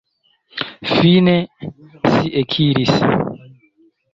Fine si ekiris.